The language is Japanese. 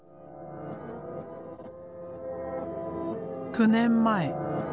９年前。